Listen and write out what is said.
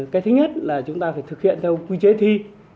cái thứ nhất là chúng ta phải thực hiện theo quy chế thi